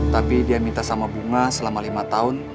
tapi dia minta sama bunga selama lima tahun